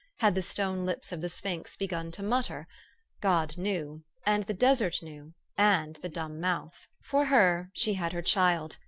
Had the stone lips of the sphinx begun to mutter? God knew; and the desert knew and the dumb mouth. 452 THE STORY OF AVIS. For her, she had her child.